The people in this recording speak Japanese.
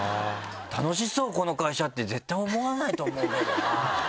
楽しそうこの会社って絶対思わないと思うけどな。